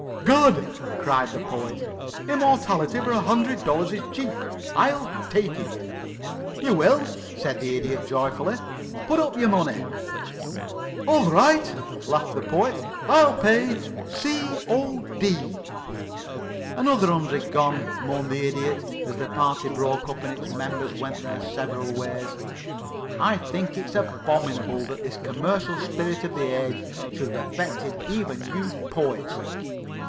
"Good!" cried the Poet. "Immortality for a hundred dollars is cheap. I'll take that." "You will?" said the Idiot, joyfully. "Put up your money." "All right," laughed the Poet. "I'll pay C. O. D." "Another hundred gone!" moaned the Idiot, as the party broke up and its members went their several ways. "I think it's abominable that this commercial spirit of the age should have affected even you poets.